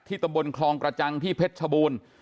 ที่ตำบลครองกระจังที่เพชรบูร